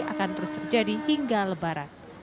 akan terus terjadi hingga lebaran